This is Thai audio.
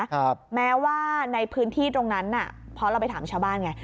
ครับแม้ว่าในพื้นที่ตรงนั้นน่ะเพราะเราไปถามชาวบ้านไง